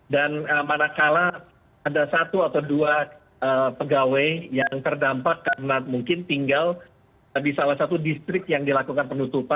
dan mana kala ada satu atau dua pegawai yang terdampak karena mungkin tinggal di salah satu distrik yang dilakukan penutup